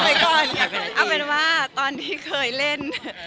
เอาเป็นว่าตอนที่เคยเล่น